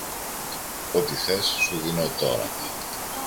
Ό,τι θες σου δίνω τώρα!